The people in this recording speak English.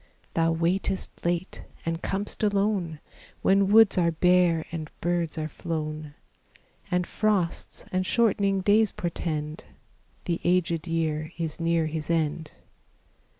Thou waitest late, and com'st alone, When woods are bare and birds are flown, And frosts and shortening days portend The aged year is near his end.